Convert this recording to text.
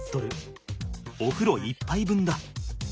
おふろ１ぱい分だ。